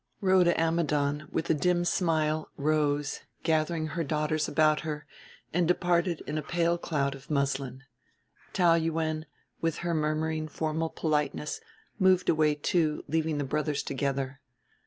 Rhoda Ammidon with a dim smile rose, gathering her daughters about her, and departed in a pale cloud of muslin. Taou Yuen, with her murmuring formal politeness, moved away too, leaving the brothers together.